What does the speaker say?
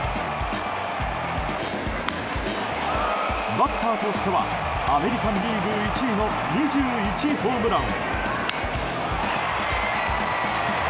バッターとしてはアメリカン・リーグ１位の２１ホームラン。